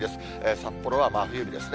札幌は真冬日ですね。